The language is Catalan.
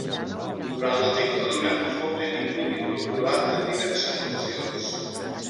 Durant la dictadura fou detingut i torturat en diverses ocasions.